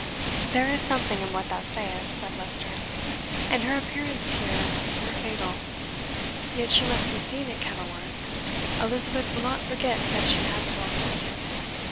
"There is something in what thou sayest," said Leicester, "and her appearance here were fatal. Yet she must be seen at Kenilworth; Elizabeth will not forget that she has so appointed."